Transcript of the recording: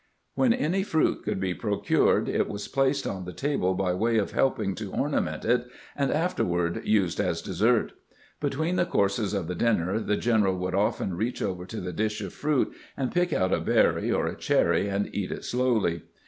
When any fruit could be procured, it was placed on the table by way of helping to ornament it, and after ward used as dessert. Between the courses of the dinner the general would often reach over to the dish of fruit and GRANT AT THE MESS TABLE 215 pick out a berry or a clierry and eat it slowly.